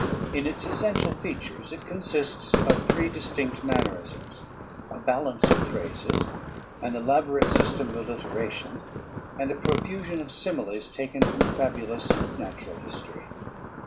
In its essential features it consists of three distinct mannerisms: a balance of phrases, an elaborate system of alliteration, and a profusion of similes taken from fabulous natural history.